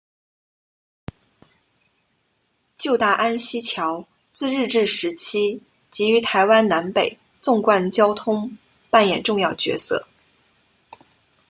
旧大安溪桥自日治时期即于台湾南北纵贯交通扮演重要角色。